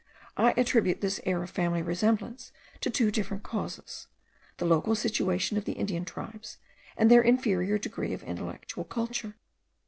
I attribute this air of family resemblance to two different causes, the local situation of the Indian tribes, and their inferior degree of intellectual culture.